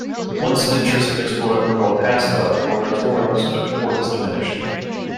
Once interest in exploring for gold passed, however, Puerto Toro's importance diminished.